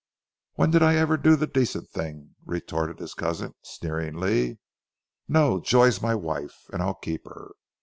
"When did I ever do the decent thing," retorted his cousin sneeringly. "No, Joy's my wife and I'll keep her.